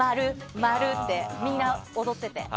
まる！ってみんな踊ってて。